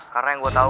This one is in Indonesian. karena yang saya tahu